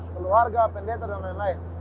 keluarga pendeta dan lain lain